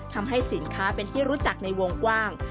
ทำให้สินค้าเป็นที่รู้จักในวงกว้าง